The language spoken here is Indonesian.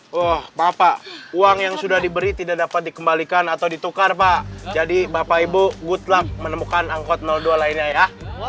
wah bapak uang yang sudah diberi tidak dapat dikembalikan atau ditukar pak jadi bapak ibu good luck menemukan angkot dua lainnya ya